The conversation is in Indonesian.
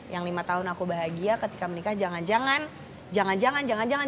yang lima tahun aku bahagia ketika menikah jangan jangan jangan jangan